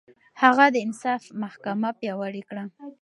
هغه د انصاف محکمه پياوړې کړه.